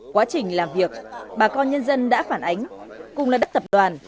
quá trình làm việc bà con nhân dân đã phản ánh cùng là đất tập đoàn